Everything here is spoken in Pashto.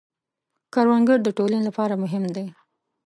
کروندګر د ټولنې لپاره مهم دی